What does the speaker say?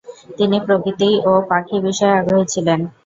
তিনি প্রকৃতি ও পাখি বিষয়ে আগ্রহী ছিলেন।